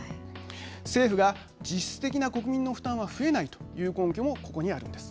政府が、実質的な国民の負担は増えないという根拠もここにあるんです。